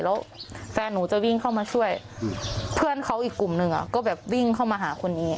แล้วแฟนหนูจะวิ่งเข้ามาช่วยเพื่อนเขาอีกกลุ่มหนึ่งก็แบบวิ่งเข้ามาหาคนนี้